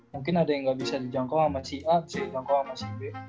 mungkin ada yang gak bisa dijangkau sama si a bisa dijangkau sama si b